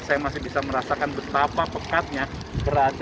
saya masih bisa merasakan betapa pekatnya